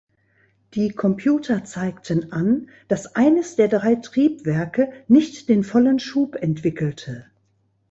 Die Computer zeigten an, dass eines der drei Triebwerke nicht den vollen Schub entwickelte.